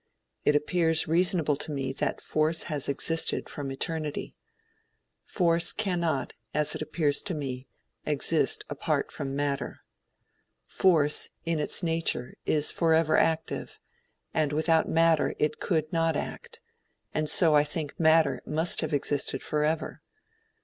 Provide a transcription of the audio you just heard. It appears reasonable to me that force has existed from eternity. Force cannot, as it appears to me, exist apart from matter. Force, in its nature, is forever active, and without matter it could not act; and so I think matter must have existed forever.